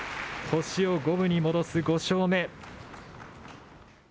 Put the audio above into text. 星を五分に戻す５勝目。